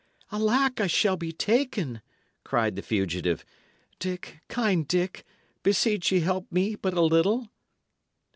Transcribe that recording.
"Alack, I shall be taken!" cried the fugitive. "Dick, kind Dick, beseech ye help me but a little!"